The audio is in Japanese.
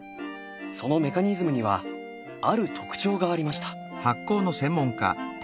そのメカニズムにはある特徴がありました。